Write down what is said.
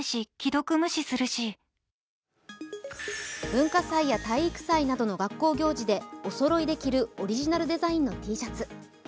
文化祭や体育祭などの学校行事でおそろいで着るオリジナルデザインのＴシャツ。